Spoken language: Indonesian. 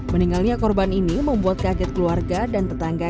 meninggalnya korban ini membuat kaget keluarga dan tetangga